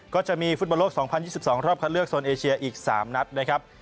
ก็จะมีฟุตบอลโลก๒๐๒๒รอบคัดเลือกโซนเอเชียอีก๓นัดนะครับ